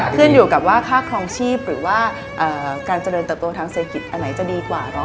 คืนอยู่กับค่าครองชีพหรือว่าการเจริญตระโปรทางเศรษฐกิจอันไหนจะดีกว่าหรอ